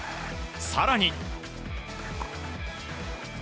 更に。